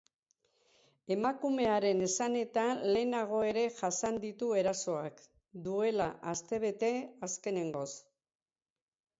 Emakumearen esanetan, lehenago ere jasan ditu erasoak, duela astebete azkenengoz.